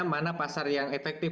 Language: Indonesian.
mana pasar yang efektif